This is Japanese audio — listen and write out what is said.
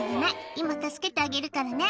今助けてあげるからね」